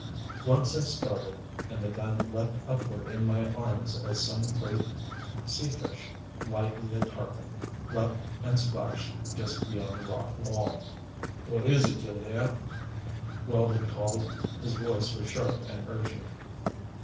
Once I started and the gun leaped upward in my arms as some great sea fish, likely a tarpon, leaped and splashed just beyond the rock wall. "What is it, Killdare?" Weldon called. His voice was sharp and urgent.